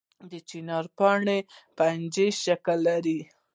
د چنار پاڼې پنجه یي شکل لري